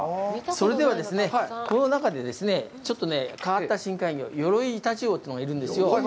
それではですね、この中でちょっと変わった深海魚、ヨロイイタチウオというのがいるんですよ。